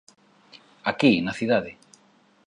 Aquí, na cidade.